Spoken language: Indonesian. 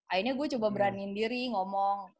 akhirnya gue coba beraniin diri ngomong